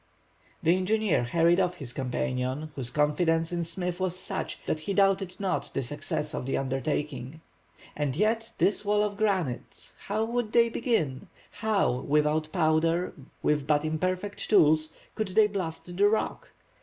The engineer hurried off his companion, whose confidence in Smith was such that he doubted not the success of the undertaking. And yet, this wall of granite, how would they begin: how, without powder, with but imperfect tools, could they blast the rock?